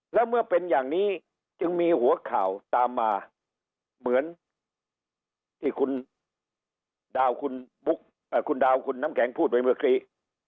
แล้วเมื่อเป็นอย่างนี้จึงมีหัวข่าวตามมาเหมือนที่คุณดาวคุณดาวคุณน้ำแข็งพูดไปเมื่อกี้